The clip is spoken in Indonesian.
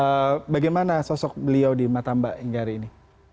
sejak kapan dan bagaimana sosok beliau di mata mbak hingga hari ini